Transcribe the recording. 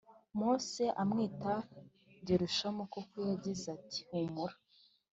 Mose amwita Gerushomu kuko yagize ati humura